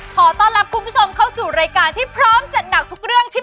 ขอต้อนรับคุณผู้ชมเข้าสู่รายการที่พร้อมจัดหนักทุกเรื่องที่